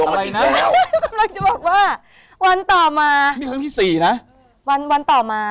อะไรนะกำลังจะบอกว่าวันต่อมานี่ครั้งที่สี่นะวันวันต่อมา